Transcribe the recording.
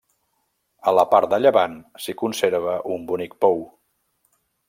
A la part de llevant s'hi conserva un bonic pou.